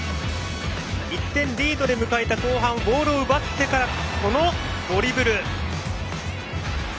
１点リードで迎えた後半ボールを奪ってからこのドリブル。